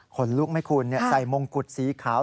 ลุกไหมคุณใส่มงกุฎสีขาว